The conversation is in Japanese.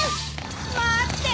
待って。